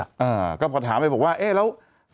อ่าก็พอถามไปบอกว่าเอ๊ะแล้ว